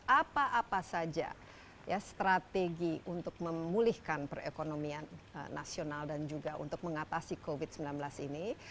apa apa saja strategi untuk memulihkan perekonomian nasional dan juga untuk mengatasi covid sembilan belas ini